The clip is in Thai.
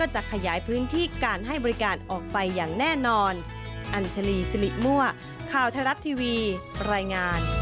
จะขยายพื้นที่การให้บริการออกไปอย่างแน่นอน